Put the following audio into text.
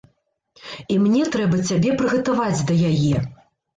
І мне трэба цябе прыгатаваць да яе.